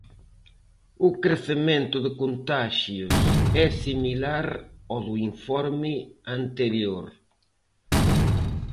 O crecemento de contaxios é similar ao do informe anterior.